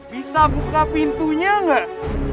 bisa buka pintunya gak